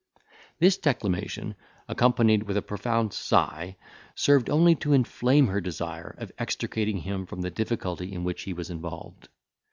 This declamation, accompanied with a profound sigh, served only to inflame her desire of extricating him from the difficulty in which he was involved.